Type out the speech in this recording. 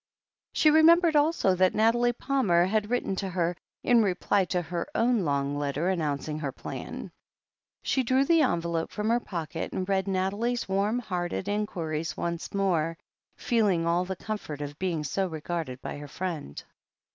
She remembered also that Nathalie Palmer had writ ten to her, in reply to her own long letter announcing her plan. She drew the envelope from her pocket, and read Nathalie's warm hearted inquiries once more, feel ing all the comfort of being so regarded by her friend.